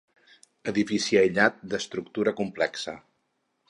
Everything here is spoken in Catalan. Edifici aïllat d'estructura complexa.